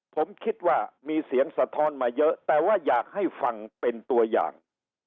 ผมคิดว่ามีเสียงสะท้อนมาเยอะแต่ว่าอยากให้ฟังเป็นตัวอย่าง